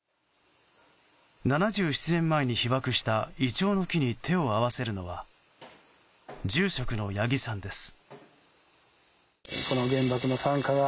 ７７年前に被爆したイチョウの木に手を合わせるのは住職の八木さんです。